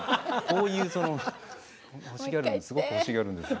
こういうそのすごく欲しがるんです。